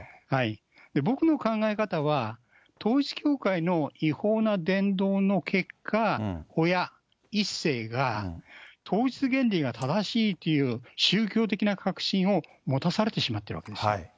僕の考え方は、統一教会の違法な伝道の結果、親、１世が、統一原理が正しいという宗教的な確信を持たされてしまってるわけです。